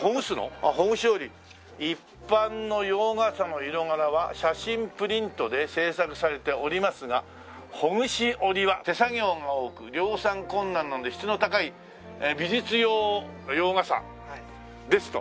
「一般の洋傘の色柄は写真プリントで製作されておりますがほぐし織りは手作業が多く量産困難なので質の高い美術用洋傘です」と。